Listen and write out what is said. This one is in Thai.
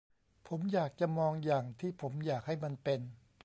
ผมอยากจะมองอย่างที่ผมอยากให้มันเป็น ?